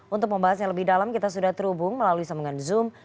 untuk membahasnya lebih dalam kita sudah terhubung melalui sambungan zoom